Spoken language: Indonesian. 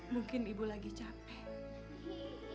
mungkin ibu lagi capek